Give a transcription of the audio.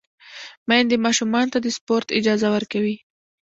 میندې ماشومانو ته د سپورت اجازه ورکوي۔